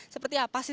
seperti apa sih